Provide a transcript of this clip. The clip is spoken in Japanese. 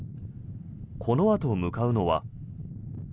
このあと向かうのは。